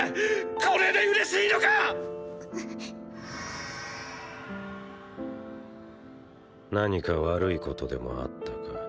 これで嬉しいのか⁉何か悪いことでもあったか？